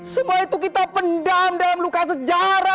semua itu kita pendam dalam luka sejarah